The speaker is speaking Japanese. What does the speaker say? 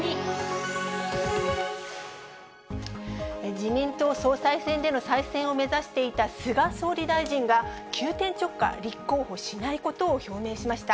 自民党総裁選での再選を目指していた菅総理大臣が、急転直下、立候補しないことを表明しました。